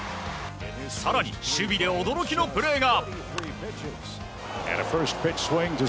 更に、守備で驚きのプレーが。